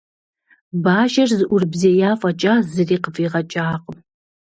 Бажэр зэӀурыбзея фӀэкӀа, зыри къыфӀигъэкӀакъым.